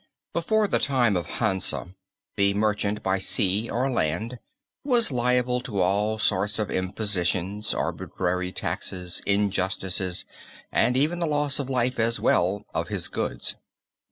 Before the time of Hansa the merchant by sea or land was liable to all sorts of impositions, arbitrary taxes, injustices, and even the loss of life as well of his goods.